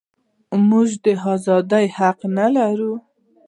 آیا موږ د ازادۍ حق نلرو؟